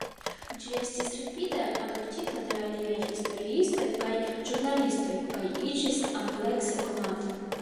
Ĝi estis rapide adoptita de aliaj historiistoj kaj ĵurnalistoj kaj iĝis amplekse konata.